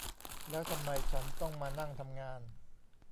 แล้วทำไมฉันต้องมานั่งทำงาน